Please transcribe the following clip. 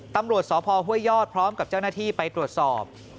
ตำรวจสพห้วยยอดพร้อมกับเจ้าหน้าที่ไปตรวจสอบ